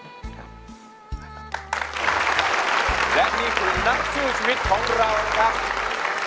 และนี่คือนักชื่อชีวิตของเรานะครับ